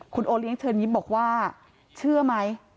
คุณโอเลี้ยงเชิญยิ้มบอกว่าเชื่อไหม